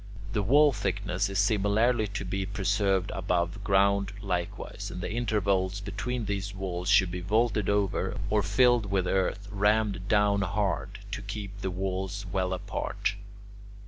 The wall thickness is similarly to be preserved above ground likewise, and the intervals between these walls should be vaulted over, or filled with earth rammed down hard, to keep the walls well apart.